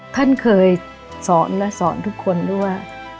ท่านเคยสอนและสอนทุกคนด้วยว่า